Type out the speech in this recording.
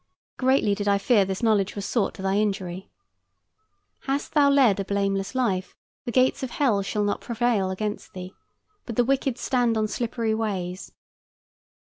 Greatly did I fear this knowledge was sought to thy injury. Hast thou led a blameless life, the gates of hell shall not prevail against thee; but the wicked stand on slippery ways.